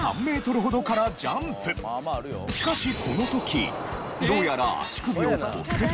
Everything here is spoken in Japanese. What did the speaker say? しかしこの時どうやら足首を骨折していたという。